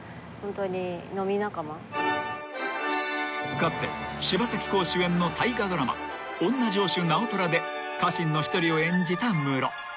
［かつて柴咲コウ主演の大河ドラマ『おんな城主直虎』で家臣の一人を演じたムロ］